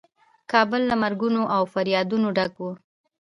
کابل له مرګونو او فریادونو ډک و.